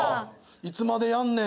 「いつまでやんねん！」。